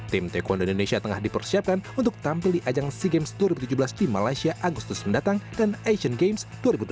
tim taekwondo indonesia tengah dipersiapkan untuk tampil di ajang sea games dua ribu tujuh belas di malaysia agustus mendatang dan asian games dua ribu delapan belas